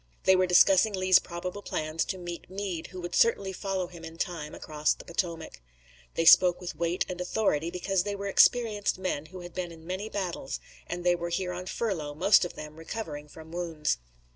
They were discussing Lee's probable plans to meet Meade, who would certainly follow him in time across the Potomac. They spoke with weight and authority, because they were experienced men who had been in many battles, and they were here on furlough, most of them recovering from wounds.